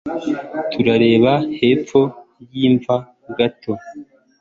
Turareba hepfo yimva gato